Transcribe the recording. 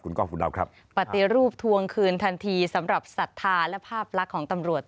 คุณก้องคุณดาวครับปฏิรูปทวงคืนทันทีสำหรับศรัทธาและภาพลักษณ์ของตำรวจ